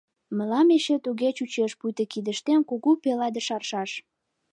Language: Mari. Мылам эше туге чучеш, пуйто кидыштем кугу пеледыш аршаш.